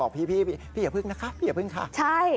พี่อย่าพึ่งนะคะพี่อย่าพึ่งค่ะใช่